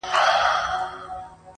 o و مقام د سړیتوب ته نه رسېږې,